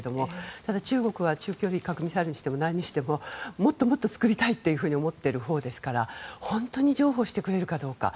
ただ、中国は中距離核ミサイルにしてももっともっと作りたいと思っているほうですから本当に譲歩してくれるかどうか。